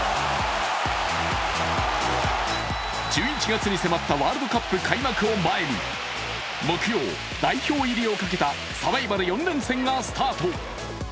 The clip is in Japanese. １１月に迫ったワールドカップ開幕を前に木曜、代表入りをかけたサバイバル４連戦がスタート。